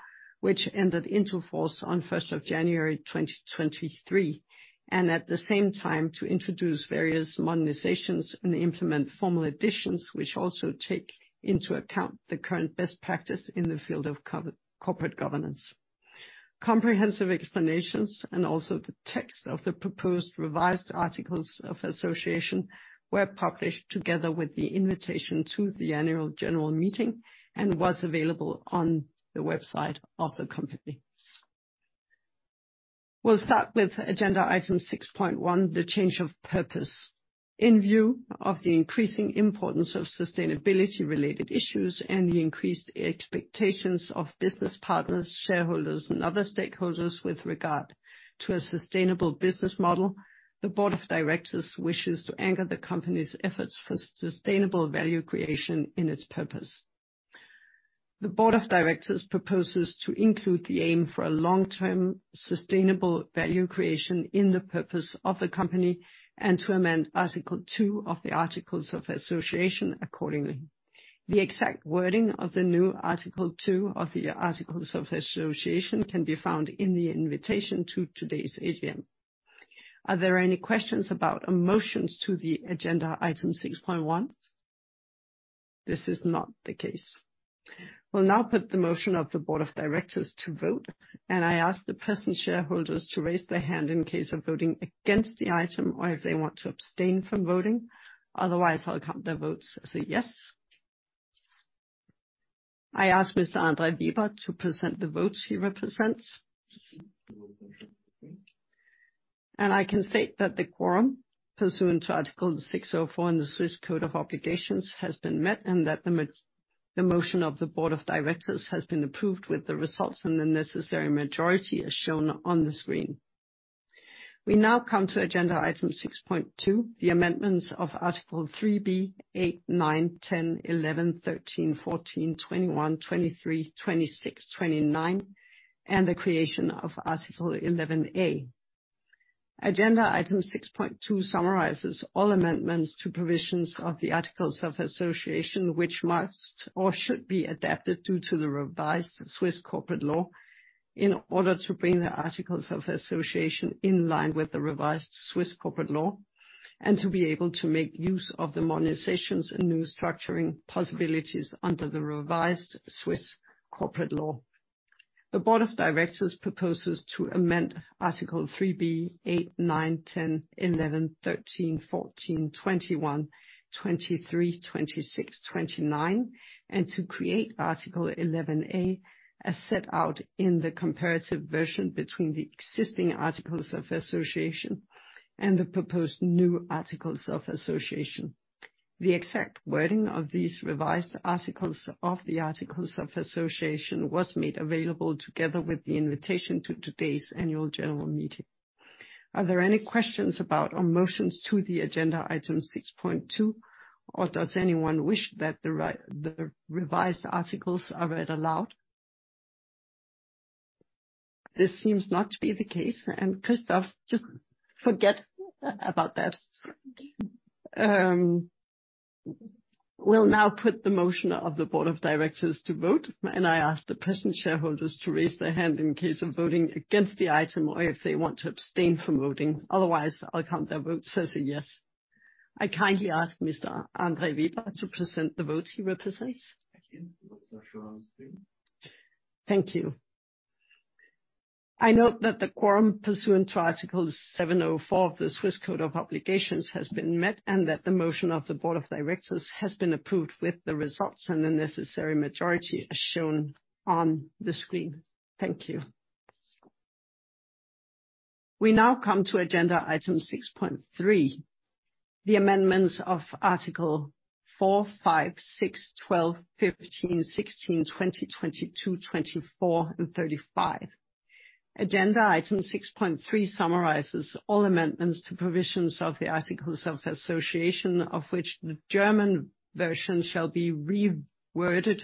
which entered into force on 1st January 2023, and at the same time to introduce various modernizations and implement formal additions, which also take into account the current best practice in the field of corporate governance. Comprehensive explanations and also the text of the proposed revised articles of association were published together with the invitation to the annual general meeting and was available on the website of the company. We'll start with agenda item 6.1, the Change of Purpose. In view of the increasing importance of sustainability-related issues and the increased expectations of business partners, shareholders, and other stakeholders with regard to a sustainable business model, the Board of Directors wishes to anchor the company's efforts for sustainable value creation in its purpose. The Board of Directors proposes to include the aim for a long-term sustainable value creation in the purpose of the company and to amend Article 2 of the Articles of Association accordingly. The exact wording of the new Article 2 of the Articles of Association can be found in the invitation to today's AGM. Are there any questions about or motions to the agenda item 6.1? This is not the case. We'll now put the motion of the Board of Directors to vote. I ask the present shareholders to raise their hand in case of voting against the item or if they want to abstain from voting. Otherwise, I'll count their votes as a yes. I ask Mr. André Weber to present the votes he represents. The votes are shown on the screen. I can state that the quorum pursuant to Article 604 in the Swiss Code of Obligations has been met and that the motion of the Board of Directors has been approved with the results and the necessary majority as shown on the screen. We now come to agenda item 6.2, the amendments of Article 3B, 8, 9, 10, 11, 13, 14, 21, 23, 26, 29, and the creation of Article 11A. Agenda item 6.2 summarizes all amendments to provisions of the Articles of Association, which must or should be adapted due to the revised Swiss corporate law in order to bring the Articles of Association in line with the revised Swiss corporate law and to be able to make use of the modernizations and new structuring possibilities under the revised Swiss corporate law. The Board of Directors proposes to amend Article 3B, 8, 9, 10, 11, 13, 14, 21, 23, 26, 29, and to create Article 11A as set out in the comparative version between the existing Articles of Association and the proposed new articles of association. The exact wording of these revised articles of the Articles of Association was made available together with the invitation to today's annual general meeting. Are there any questions about or motions to the agenda item 6.2, or does anyone wish that the revised articles are read aloud? This seems not to be the case. Christoff, just forget about that. We'll now put the motion of the Board of Directors to vote. I ask the present shareholders to raise their hand in case of voting against the item or if they want to abstain from voting. Otherwise, I'll count their votes as a yes. I kindly ask Mr. André Weber to present the votes he represents. Thank you. The votes are shown on the screen. Thank you. I note that the quorum pursuant to Article 704 of the Swiss Code of Obligations has been met and that the motion of the Board of Directors has been approved with the results and the necessary majority as shown on the screen. Thank you. We now come to agenda item 6.3, the amendments of Article 4, 5, 6, 12, 15, 16, 20, 22, 24, and 35. Agenda item 6.3 summarizes all amendments to provisions of the Articles of Association, of which the German version shall be reworded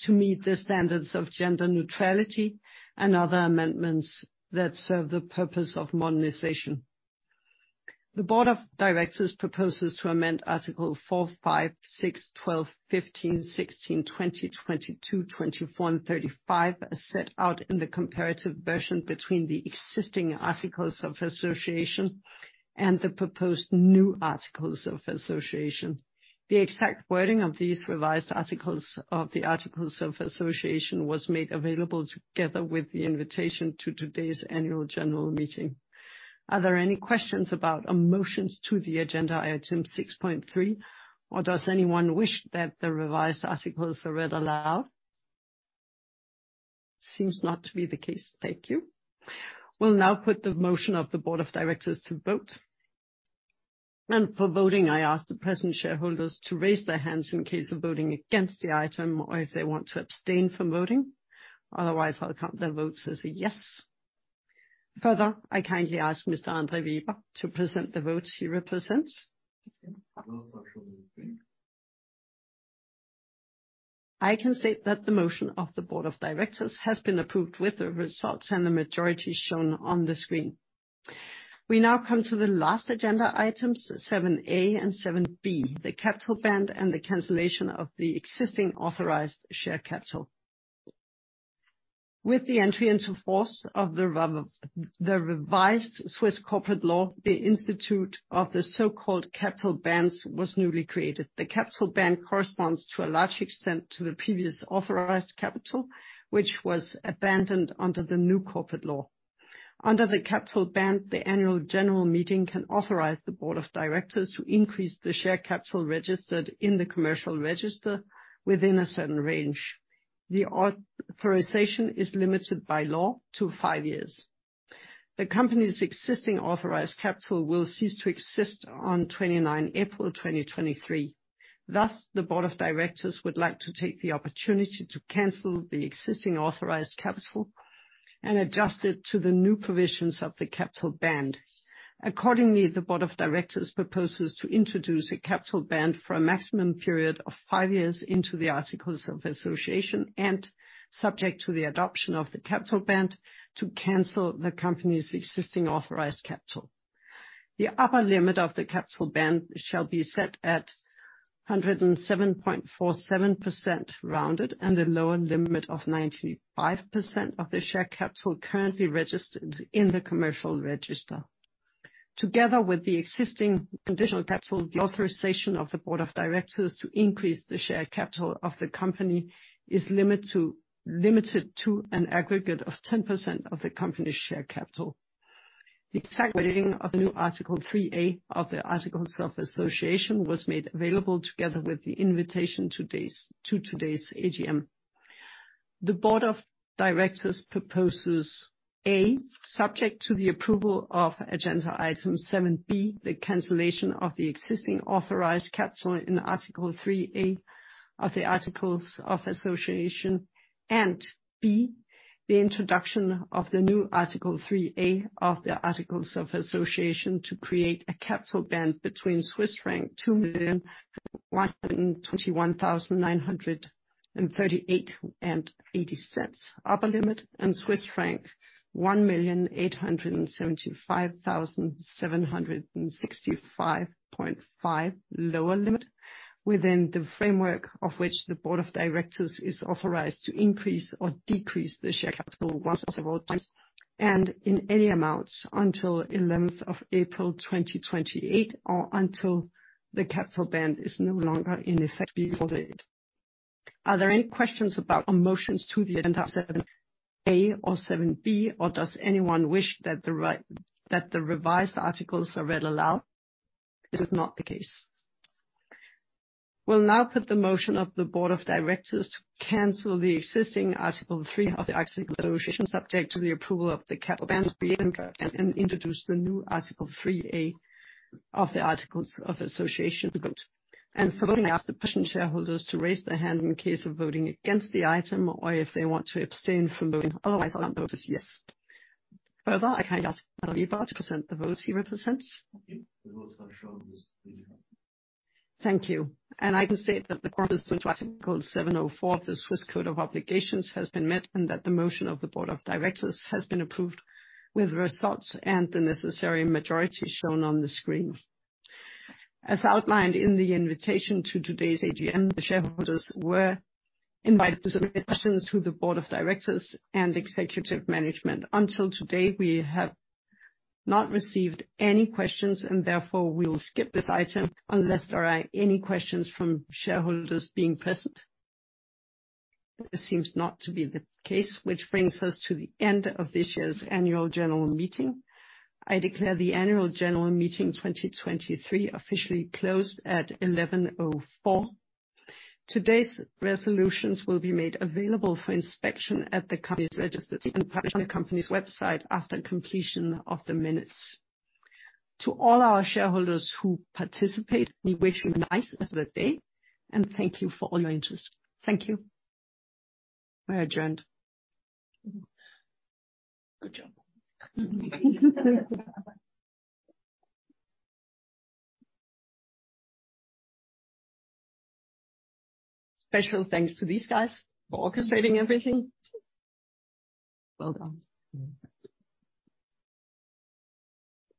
to meet the standards of gender neutrality and other amendments that serve the purpose of modernization. The Board of Directors proposes to amend Article 4, 5, 6, 12, 15, 16, 20, 22, 24, and 35 as set out in the comparative version between the existing Articles of Association and the proposed new articles of association. The exact wording of these revised articles of the Articles of Association was made available together with the invitation to today's annual general meeting. Are there any questions about or motions to the agenda item 6.3, or does anyone wish that the revised articles are read aloud? Seems not to be the case. Thank you. We will now put the motion of the Board of Directors to vote. For voting, I ask the present shareholders to raise their hands in case of voting against the item or if they want to abstain from voting. Otherwise, I will count their votes as a yes. Further, I kindly ask Mr. André Weber to present the votes he represents. The votes are shown on the screen. I can state that the motion of the Board of Directors has been approved with the results and the majority shown on the screen. We now come to the last agenda items, 7A and 7B, the Capital Band and the Cancellation of the Existing Authorized Share Capital. With the entry into force of the revised Swiss corporate law, the institute of the so-called Capital Bands was newly created. The Capital Band corresponds to a large extent to the previous authorized capital, which was abandoned under the new corporate law. Under the Capital Band, the annual general meeting can authorize the Board of Directors to increase the share capital registered in the commercial register within a certain range. The authorization is limited by law to five years. The company's existing authorized capital will cease to exist on 29 April 2023. Thus, the Board of Directors would like to take the opportunity to cancel the existing authorized capital and adjust it to the new provisions of the Capital Band. Accordingly, the Board of Directors proposes to introduce a Capital Band for a maximum period of five years into the Articles of Association and, subject to the adoption of the Capital Band, to cancel the company's existing authorized capital. The upper limit of the Capital Band shall be set at 107.47% rounded and the lower limit of 95% of the share capital currently registered in the commercial register. Together with the existing conditional capital, the authorization of the Board of Directors to increase the share capital of the company is limited to an aggregate of 10% of the company's share capital. The exact wording of the new Article 3A of the Articles of Association was made available together with the invitation to today's AGM. The Board of Directors proposes, A, subject to the approval of agenda item 7B, the cancellation of the existing authorized capital in Article 3A of the Articles of Association, and, B, the introduction of the new Article 3A of the Articles of Association to create a Capital Band between Swiss franc 2,121,938.80 upper limit and Swiss franc 1,875,765.50 lower limit, within the framework of which the Board of Directors is authorized to increase or decrease the share capital once or several times and in any amount until 11th April 2028 or until the Capital Band is no longer in effect before the date. Are there any questions about or motions to the agenda 7A or 7B, or does anyone wish that the revised articles are read aloud? This is not the case. We will now put the motion of the Board of Directors to cancel the existing Article 3 of the Articles of Association, subject to the approval of the Capital Band, and introduce the new Article 3A of the Articles of Association. For voting, I ask the present shareholders to raise their hand in case of voting against the item or if they want to abstain from voting. Otherwise, I will count their votes as yes. Further, I kindly ask Mr. André Weber to present the votes he represents. Thank you. The votes are shown on the screen. Thank you. I can state that the quorum pursuant to Article 704 of the Swiss Code of Obligations has been met and that the motion of the Board of Directors has been approved with the results and the necessary majority shown on the screen. As outlined in the invitation to today's AGM, the shareholders were invited to submit questions to the Board of Directors and Executive Management. Until today, we have not received any questions, and therefore, we will skip this item unless there are any questions from shareholders being present. This seems not to be the case, which brings us to the end of this year's annual general meeting. I declare the Annual General Meeting 2023 officially closed at 11:04 A.M. Today's resolutions will be made available for inspection at the company's registry and published on the company's website after completion of the minutes. To all our shareholders who participated, we wish you a nice rest of the day and thank you for all your interest. Thank you. We are adjourned. Good job. Special thanks to these guys for orchestrating everything. Well done.